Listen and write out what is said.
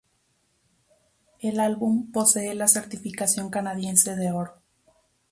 El álbum posee la certificación canadiense de oro.